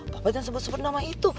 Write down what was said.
bapak jangan sebut sebut nama itu